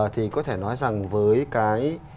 thì có thể nói rằng với cái